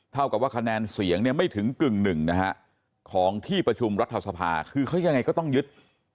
เท่ากับว่าคะแนนเสียงเนี่ยไม่ถึงกึ่งหนึ่งนะฮะของที่ประชุมรัฐสภาคือเขายังไงก็ต้องยึด